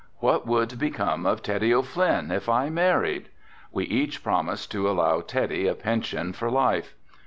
"What would become of Teddy O'Flynn if I married?" We each promised to allow Teddy a pension for life.